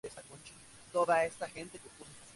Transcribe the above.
Es considerado el primer obispo de Capadocia.